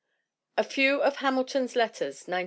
A Few of Hamilton's Letters, 1903.